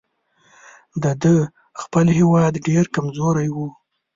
د ده خپل هیواد ډېر کمزوری وو.